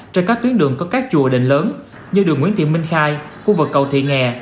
trên các tuyến đường có các chùa đình lớn như đường nguyễn thị minh khai khu vực cầu thị nghè